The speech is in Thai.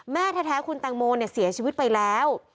แม่แท้คุณแตงโมเสียชีวิตไปแล้ว